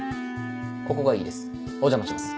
ここがいいですお邪魔します。